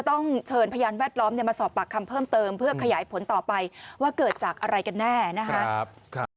ต้องเชิญพยานแวดล้อมมาสอบปากคำเพิ่มเติมเพื่อขยายผลต่อไปว่าเกิดจากอะไรกันแน่นะครับ